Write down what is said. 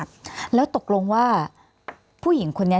พี่เรื่องมันยังไงอะไรยังไง